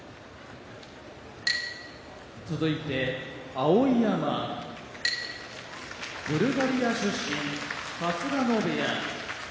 碧山ブルガリア出身春日野部屋